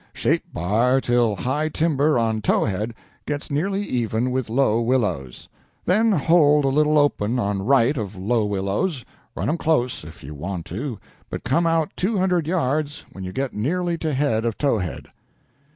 Shape bar till high timber on towhead gets nearly even with low willows. Then hold a little open on right of low willows run 'em close if you want to, but come out 200 yards when you get nearly to head of towhead.